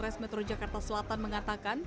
polres metro jakarta selatan mengatakan